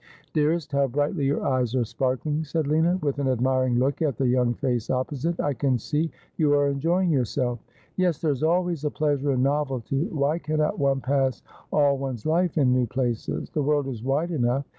' Dearest, how brightly your eyes are sparkling,' said Lina, with an admiring look at the young face opposite. ' I can see you are enjoying yourself.' ' Yes, there is always a pleasure in novelty. Why cannot one pass all one's life in new places ? The world is wide enough.